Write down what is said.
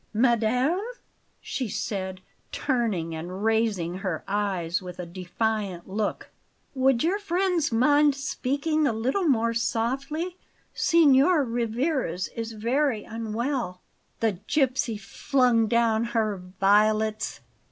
"Madame?" she said, turning and raising her eyes with a defiant look. "Would your friends mind speaking a little more softly? Signor Rivarez is very unwell." The gipsy flung down her violets.